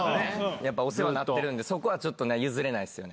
やっぱりお世話になってるんで、そこはちょっと譲れないですね。